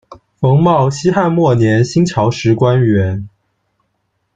冯茂，西汉末年、新朝时官员。